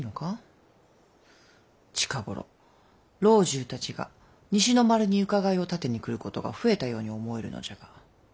近頃老中たちが西の丸に伺いを立てに来ることが増えたように思えるのじゃが。